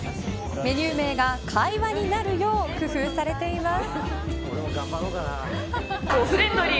メニュー名が会話になるよう工夫されています。